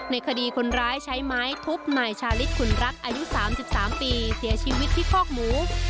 ในคดีคนร้ายใช้ไม้ทุบนายชาลิศขุนรักอายุ๓๓ปีเสียชีวิตที่คอกหมู